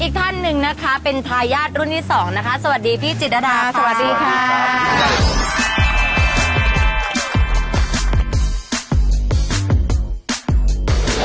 อีกท่านหนึ่งนะคะเป็นทายาทรุ่นที่สองนะคะสวัสดีพี่จิตรดาสวัสดีค่ะ